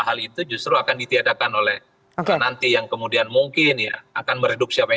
hal itu justru akan ditiadakan oleh nanti yang kemudian mungkin ya akan meredup siapa yang